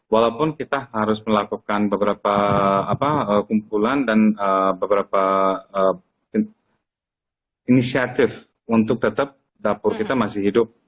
walaupun kita harus melakukan beberapa kumpulan dan beberapa inisiatif untuk tetap dapur kita masih hidup